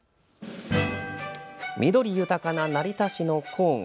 緑豊かな成田市の郊外。